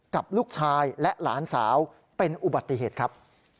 กับลูกชายและหลานสาวเป็นอุบัติเหตุครับ